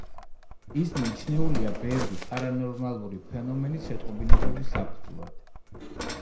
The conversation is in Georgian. ის მიჩნეულია ბევრი პარანორმალური ფენომენის შეტყობინებების საფუძვლად.